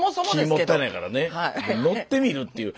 木もったいないからね乗ってみるという。